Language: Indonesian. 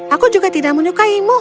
aku juga tidak menyukaimu